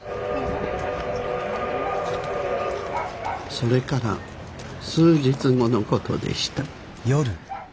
それから数日後の事でした。